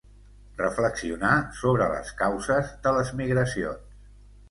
Reflexionar sobre les causes de les migracions.